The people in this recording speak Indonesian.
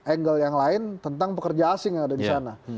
angle yang lain tentang pekerja asing yang ada di sana